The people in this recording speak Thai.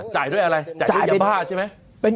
จ่ายด้วยอะไรจ่ายยาบ้าใช่ไหม